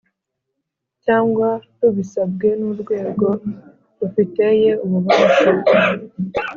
cyangwa rubisabwe n urwego rufiteye ububasha